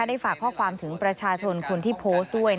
ได้ฝากข้อความถึงประชาชนคนที่โพสต์ด้วย